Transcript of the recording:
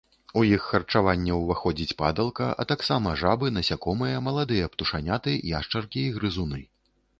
У іх харчаванне ўваходзіць падалка, а таксама жабы, насякомыя, маладыя птушаняты, яшчаркі і грызуны.